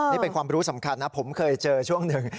นี่เป็นความรู้สำคัญนะผมเคยเจอช่วงหนึ่ง